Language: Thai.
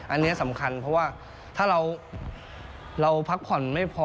อันนี้สำคัญเพราะว่าถ้าเราพักผ่อนไม่พอ